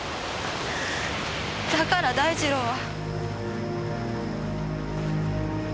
だから大二郎は。